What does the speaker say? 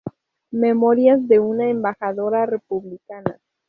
Memorias de una embajadora republicana".